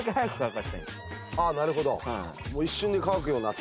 あなるほど。